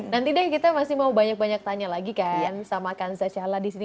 nanti deh kita masih mau banyak banyak tanya lagi kan sama kanza cahala disini